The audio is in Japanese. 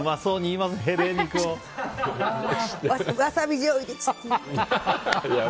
わさびしょうゆで。